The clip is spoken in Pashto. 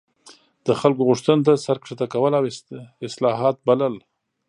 د خلکو غوښتنو ته سر ښکته کول او اصلاحات بلل.